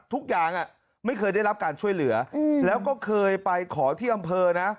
ไม่เคยได้รับการช่วยเหลือแล้วก็เคยไปขอที่อำเภอนะ